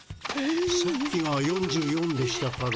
さっきが４４でしたから。